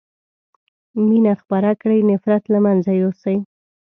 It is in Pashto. مينه خپره کړي نفرت له منځه يوسئ